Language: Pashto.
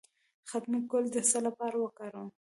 د ختمي ګل د څه لپاره وکاروم؟